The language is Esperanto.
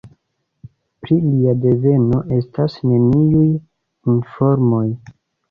Pri lia deveno estas neniuj informoj.